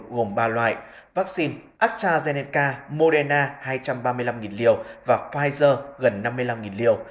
gồm ba loại vaccine astrazeneca moderna hai trăm ba mươi năm liều và pfizer gần năm mươi năm liều